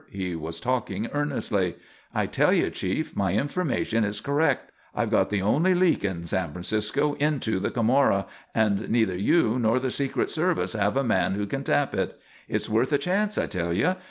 He was talking earnestly. "I tell you, Chief, my information is correct. I've got the only leak in San Francisco into the Camorra and neither you nor the secret service have a man who can tap it. It's worth a chance, I tell you.